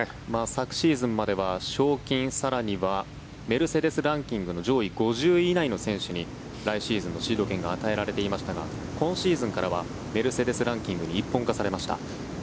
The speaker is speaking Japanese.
昨シーズンまでは賞金、更にはメルセデス・ランキングの上位５０位内の選手に来シーズンのシード権が与えられていましたが今シーズンからはメルセデス・ランキングに一本化されました。